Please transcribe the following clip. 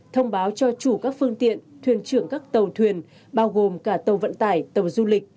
thông báo cho chủ các phương tiện thuyền trưởng các tàu thuyền bao gồm cả tàu vận tải tàu du lịch